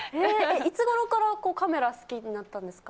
いつごろからこうカメラ好きになったんですか。